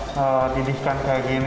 saya didihkan kayak gini ini